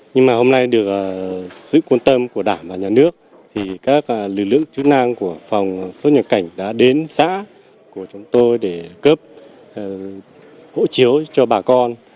nhưng mà hôm nay được sự quan tâm của đảng và nhà nước thì các lực lượng chức năng của phòng xuất nhập cảnh đã đến xã của chúng tôi để cấp hộ chiếu cho bà con